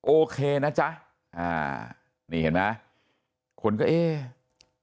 โอเคนะจ๊ะอ่านี่เห็นไหมคนก็เอ๊ะ